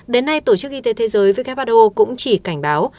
đến nay tổ chức y tế thế giới who cũng chỉ cảnh báo